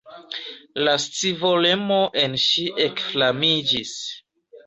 La scivolemo en ŝi ekflamiĝis!